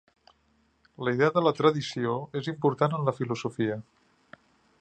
La idea de la tradició és important en la filosofia.